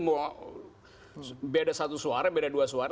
mau beda satu suara beda dua suara